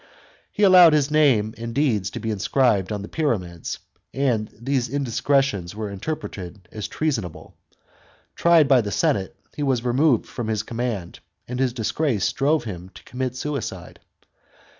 He allowed his name and deeds to be inscribed on the pyramids, and these indiscretions were interpreted as treasonable. Tried by the senate, he was removed from his command, and his disgrace drove him to commit suicide.